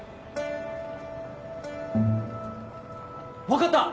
分かった！